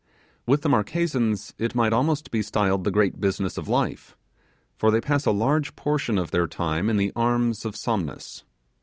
With the Marquesans it might almost most be styled the great business of life, for they pass a large portion of their time in the arms of Somnus.